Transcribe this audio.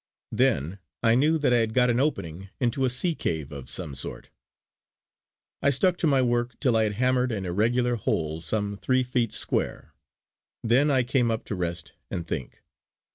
Then I knew that I had got an opening into a sea cave of some sort. I stuck to my work till I had hammered an irregular hole some three feet square. Then I came up to rest and think.